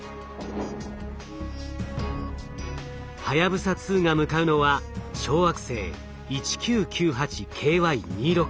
はやぶさ２が向かうのは小惑星１９９８ＫＹ２６。